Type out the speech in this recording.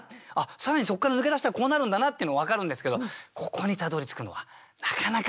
更にそっから抜け出したらこうなるんだなっての分かるんですけどここにたどりつくのはなかなか。